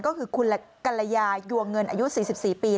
ก็คือคุณกัลยายดวงเงินอายุ๔๔ปี